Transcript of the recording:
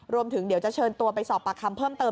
รวมถึงเดี๋ยวจะเชิญตัวไปสอบปากคำเพิ่มเติม